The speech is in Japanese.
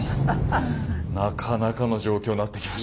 なかなかの状況になってきましたね。